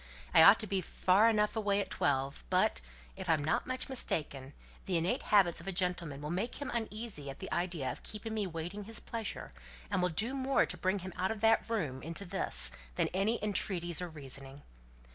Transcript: "I ought to be far enough away at twelve; but, if I'm not much mistaken, the innate habits of a gentleman will make him uneasy at the idea of keeping me waiting his pleasure, and will do more to bring him out of that room into this than any entreaties or reasoning."